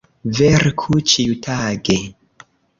Verku ĉiutage!